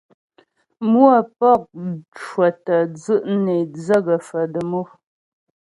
Mmwə̌pɔk cwətyə́ dzʉ' nè dzə̂ gə̀faə̀ dəm o.